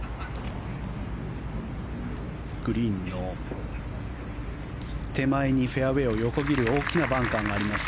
グリーンの手前にフェアウェーを横切る大きなバンカーがあります。